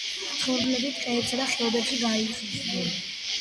მცხოვრებლები ტყეებსა და ხეობებში გაიხიზნენ.